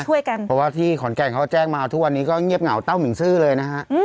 ช่วยกันเพราะว่าที่ขอนแก่นเขาแจ้งมาทุกวันนี้ก็เงียบเหงาเต้าหมิ่งซื่อเลยนะฮะ